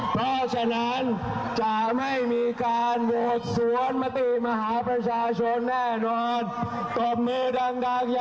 เพราะฉะนั้นจะไม่มีการโหดสวนมติมหาประชาชนแน่นอน